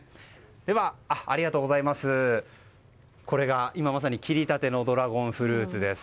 では、これが今まさに切りたてのドラゴンフルーツです。